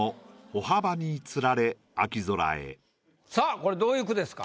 これどういう句ですか？